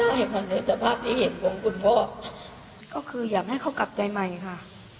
อันนี้ก็คืออยากให้เขากลับใจใหม่ค่ะ